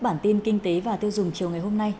bản tin kinh tế và tiêu dùng chiều ngày hôm nay